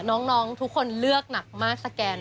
น้องทุกคนเลือกหนักมากสแกน